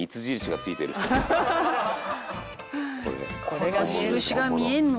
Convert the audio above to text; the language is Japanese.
これが印が見えんのか？